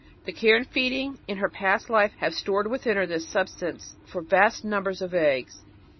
The care and feeding in her past life have stored within her the substance for vast numbers of eggs.